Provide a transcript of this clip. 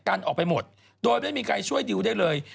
กันออกไปหมดโดยไม่มีใครช่วยดิวได้เลย